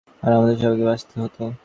আর আমাদের সবাইকে বাঁচাতে হতো।